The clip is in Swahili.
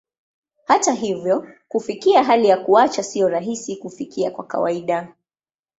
Hata hivyo, kufikia hali ya kuacha sio rahisi kufikia kwa kawaida.